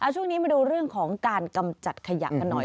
ช่วงนี้มาดูเรื่องของการกำจัดขยะกันหน่อย